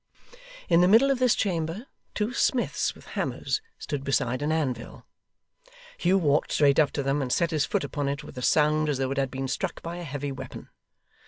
In the middle of this chamber, two smiths, with hammers, stood beside an anvil. Hugh walked straight up to them, and set his foot upon it with a sound as though it had been struck by a heavy weapon.